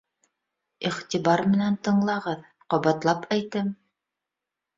Иғтибар менән тыңлағыҙ, ҡабатлап әйтәм!